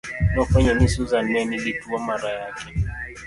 Nofwenyo ni Susan ne nigi tuo mar Ayaki.